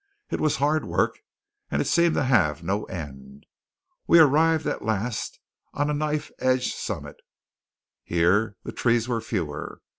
It was hard work; and it seemed to have no end. We arrived at last on a knife edge summit. Here the trees were fewer.